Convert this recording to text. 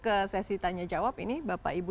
ke sesi tanya jawab ini bapak ibu